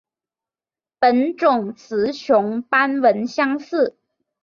本种雌雄斑纹相似。